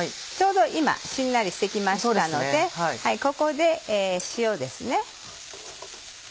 ちょうど今しんなりして来ましたのでここで塩ですね。